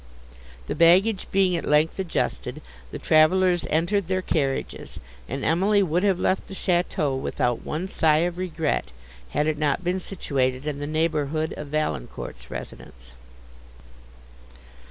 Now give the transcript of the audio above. The baggage being at length adjusted, the travellers entered their carriages, and Emily would have left the château without one sigh of regret, had it not been situated in the neighbourhood of Valancourt's residence.